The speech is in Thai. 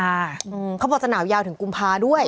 เขาบอกจะหนาวยาวถึงกุมภาด้วย